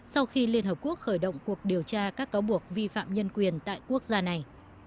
sau khi liên hợp quốc khởi động cuộc điều tra các cáo buộc vi phạm nhân quyền tại quốc gia này